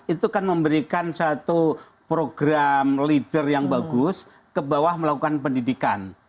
itu kan memberikan satu program leader yang bagus ke bawah melakukan pendidikan